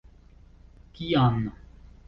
Kian?